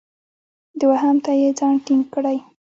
دوهم ته یې ځان ټینګ کړی.